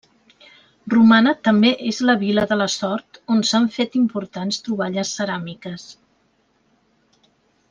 Romana també és la vil·la de la Sort on s'han fet importants troballes ceràmiques.